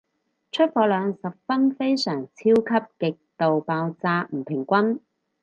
出貨量十分非常超級極度爆炸唔平均